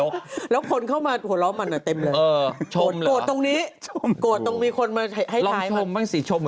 ปะหยกยังรั้นก็เรียกว่าชมหรอ